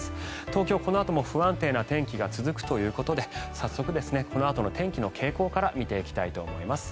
東京、このあとも不安定な天気が続くということで早速このあとの天気の傾向から見ていきたいと思います。